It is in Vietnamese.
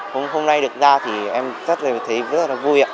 hôm nay được ra thì em thấy rất là vui